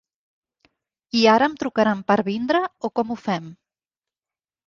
I ara em trucaran per vindre, o com ho fem?